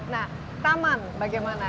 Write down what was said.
nah taman bagaimana